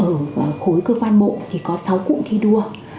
ở khối cơ quan bộ thì có sáu cụm thi đua